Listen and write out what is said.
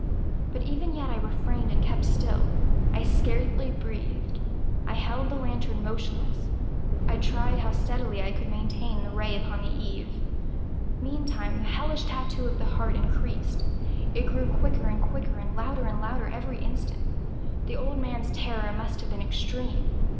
But even yet I refrained and kept still. I scarcely breathed. I held the lantern motionless. I tried how steadily I could maintain the ray upon the eve. Meantime the hellish tattoo of the heart increased. It grew quicker and quicker, and louder and louder every instant. The old man's terror must have been extreme!